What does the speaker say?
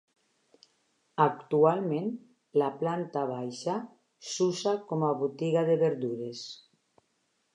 Actualment la planta baixa s'usa com botiga de verdures.